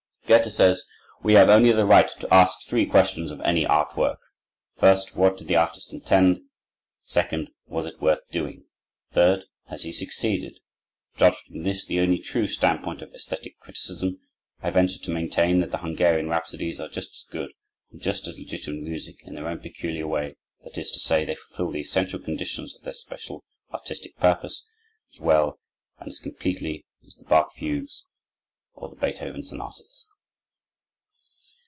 Goethe says: "We have only the right to ask three questions of any art work: First, what did the artist intend? Second, was it worth doing? Third, has he succeeded?" Judged from this, the only true standpoint of esthetic criticism, I venture to maintain that the Hungarian Rhapsodies are just as good and just as legitimate music, in their own peculiar way,—that is to say, they fulfil the essential conditions of their special artistic purpose, as well and as completely,—as the Bach fugues, or the Beethoven sonatas.